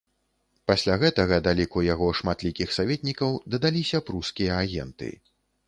Пасля гэтага да ліку яго шматлікіх саветнікаў дадаліся прускія агенты.